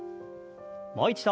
もう一度。